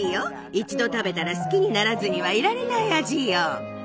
一度食べたら好きにならずにはいられない味よ。